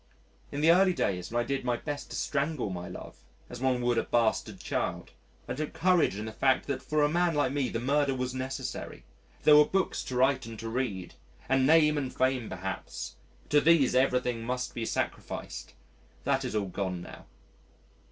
In the early days when I did my best to strangle my love as one would a bastard child I took courage in the fact that for a man like me the murder was necessary. There were books to write and to read, and name and fame perhaps. To these everything must be sacrificed. ... That is all gone now.